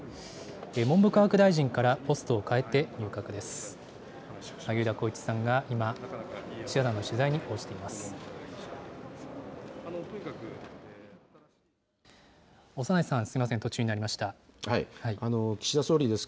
文部科学大臣からポストをかえて入閣です。